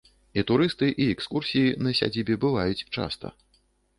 І турысты, і экскурсіі на сядзібе бываюць часта.